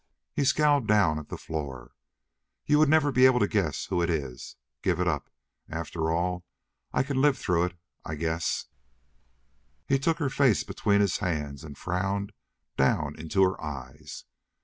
He scowled down at the floor. "You would never be able to guess who it is. Give it up. After all I can live through it I guess." He took her face between his hands and frowned down into her eyes.